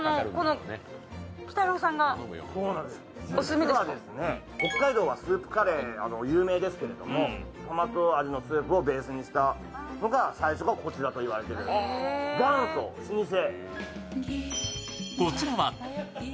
実は北海道はスープカレーが有名ですけれども、トマト系スープカレーが最初がこちらと言われていて、元祖、老舗。